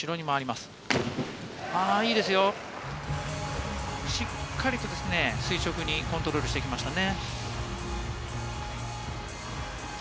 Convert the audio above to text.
しっかりと垂直にコントロールしてきましたね。